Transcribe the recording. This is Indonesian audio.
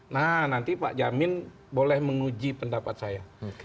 nah nanti pak jamin boleh menguji pendapat saya